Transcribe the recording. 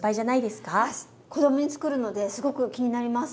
子供につくるのですごく気になります。